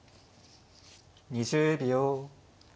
２０秒。